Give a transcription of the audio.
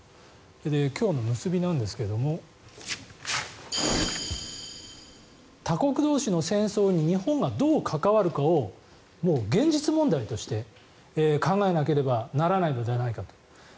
今日の結びなんですけども他国同士の戦争に日本がどう関わるかを現実問題として考えなければならないのではないかと。